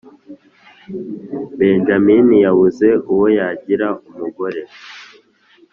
benjamini yabuze uwo yagira umugore